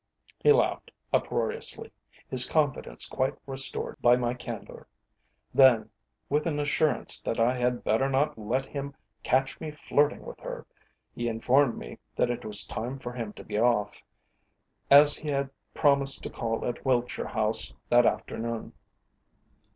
He laughed uproariously, his confidence quite restored by my candour. Then, with an assurance that I had better not let him catch me flirting with her, he informed me that it was time for him to be off, as he had promised to call at Wiltshire House that afternoon.